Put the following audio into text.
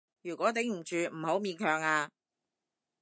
如果頂唔住，唔好勉強啊